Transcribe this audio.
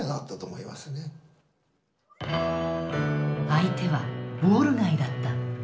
相手はウォール街だった。